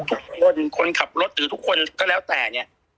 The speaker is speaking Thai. คนคนขับรถหรือทุกคนก็แล้วแต่เนี่ย